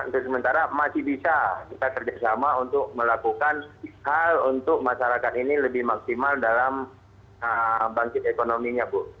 untuk sementara masih bisa kita kerjasama untuk melakukan hal untuk masyarakat ini lebih maksimal dalam bangkit ekonominya bu